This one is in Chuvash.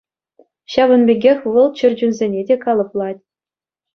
Ҫавӑн пекех вӑл чӗр чунсене те калӑплать.